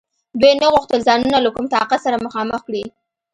دوی نه غوښتل ځانونه له کوم طاقت سره مخامخ کړي.